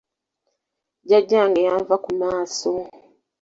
Jjajjange yanva ku maaso.